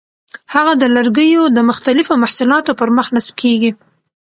هغه د لرګیو د مختلفو محصولاتو پر مخ نصب کېږي.